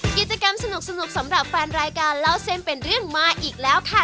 กิจกรรมสนุกสำหรับแฟนรายการเล่าเส้นเป็นเรื่องมาอีกแล้วค่ะ